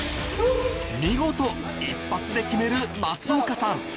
見事一発で決める松岡さん